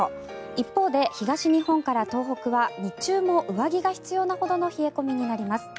一方で東日本から東北は日中も上着が必要なほどの冷え込みになります。